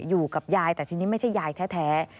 อยู่กับยายแต่ทีนี้ไม่ใช่ยายแท้